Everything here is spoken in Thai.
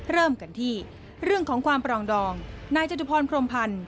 เริ่มกันที่เรื่องของความปรองดองนายจตุพรพรมพันธ์